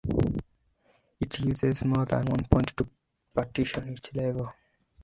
It uses more than one point to partition each level.